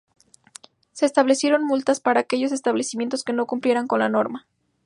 Se establecieron multas para aquellos establecimientos que no cumplieran con la norma.